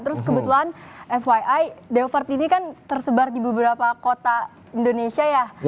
terus kebetulan fyi devert ini kan tersebar di beberapa kota indonesia ya